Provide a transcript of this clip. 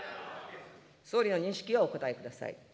総理の認識をお答えください。